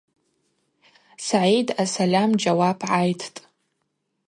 Сагӏид асальам джьауап гӏайттӏ.